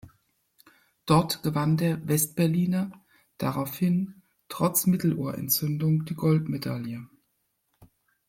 Dort gewann der Westberliner daraufhin trotz Mittelohrentzündung die Goldmedaille.